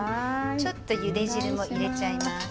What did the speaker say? ちょっとゆで汁も入れちゃいます。